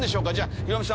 ヒロミさん